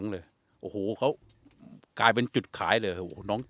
แล้วก็